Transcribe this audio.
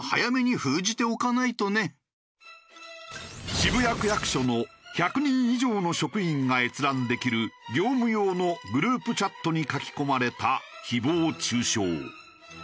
渋谷区役所の１００人以上の職員が閲覧できる業務用のグループチャットに書き込まれた誹謗中傷。